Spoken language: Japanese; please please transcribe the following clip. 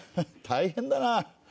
大変だな。